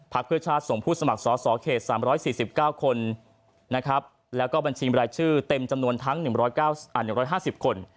เพื่อชาติส่งผู้สมัครสอสอเขต๓๔๙คนแล้วก็บัญชีบรายชื่อเต็มจำนวนทั้ง๑๕๐คน